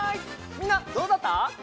みんなどうだった？